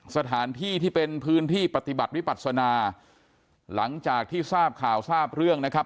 สถานที่ที่เป็นพื้นที่ปฏิบัติวิปัศนาหลังจากที่ทราบข่าวทราบเรื่องนะครับ